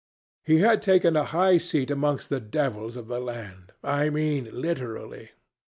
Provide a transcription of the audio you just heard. He had taken a high seat amongst the devils of the land I mean literally.